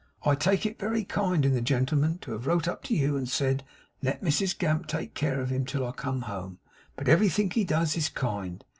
I take it very kind in the gentleman to have wrote up to you and said, "let Mrs Gamp take care of him till I come home;" but ev'rythink he does is kind.